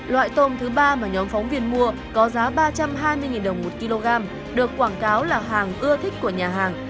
loại tôm thứ ba mà nhóm phóng viên mua có giá ba trăm hai mươi đồng một kg được quảng cáo là hàng ưa thích của nhà hàng